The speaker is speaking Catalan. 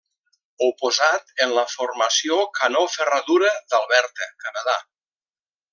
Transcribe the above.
Oposat en la Formació Canó Ferradura d'Alberta, Canadà.